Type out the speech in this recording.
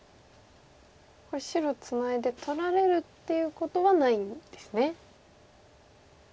これ白ツナいで取られるっていうことはないんですね？